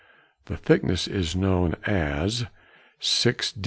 The thickness is known as 6_d.